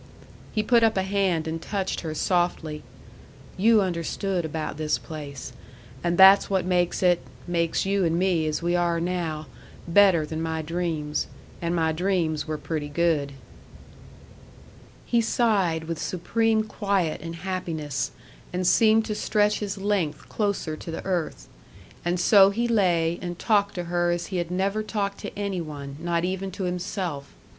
He put up a hand and touched her softly. "You understood about this place. And that's what makes it makes you and me as we are now better than my dreams. And my dreams were pretty good." He sighed with supreme quiet and happiness, and seemed to stretch his length closer to the earth. And so he lay, and talked to her as he had never talked to any one, not even to himself.